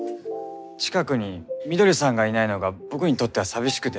近くに翠さんがいないのが僕にとっては寂しくて。